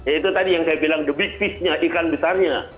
itu tadi yang saya bilang the big fishnya ikan besarnya